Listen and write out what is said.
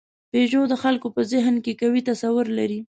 پيژو د خلکو په ذهن کې قوي تصور لري.